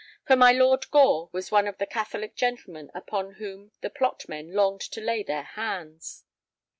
For my Lord Gore was one of the Catholic gentlemen upon whom the Plot men longed to lay their hands.